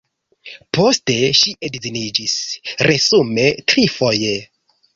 Poste ŝi edziniĝis, resume trifoje.